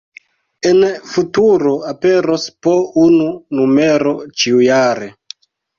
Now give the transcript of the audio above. En futuro aperos po unu numero ĉiujare.